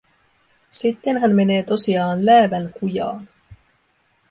Sitten hän menee tosiaan läävän kujaan.